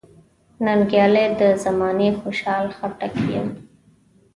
ننګیالی د زمانې خوشحال خټک یم .